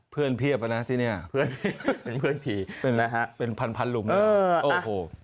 เพื่อนเพียบนะที่นี่เป็นเพื่อนผีเป็นพันหลุมนะ